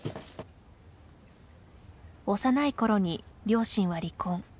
幼いころに両親は離婚。